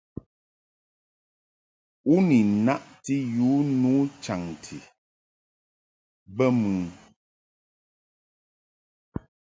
U ni naʼti yu nu chaŋti bə mɨ ?